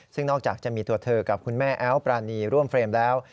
ซึ่งนอกจากจะมีตัวเธอกับคุณแม่แอ๊วปรานีร่วมเฟรมแล้ว